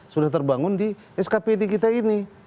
sudah terbangun di skpd kita ini